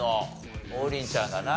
王林ちゃんだな。